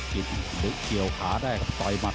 สิบเจ็ดพอร์ต